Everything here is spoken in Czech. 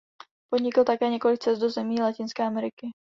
Podnikl také několik cest do zemí Latinské Ameriky.